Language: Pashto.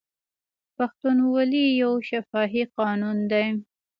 پښتونولي یو شفاهي قانون دی.